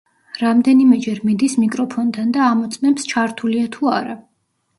რამდენიმეჯერ მიდის მიკროფონთან და ამოწმებს ჩართულია თუ არა.